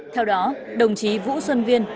theo đó đồng chí vũ xuân viên